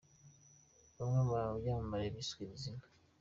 Bamwe mu byamamare byiswe iri zina.